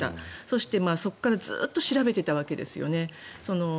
そしてそこからずっと調べていたわけですよね。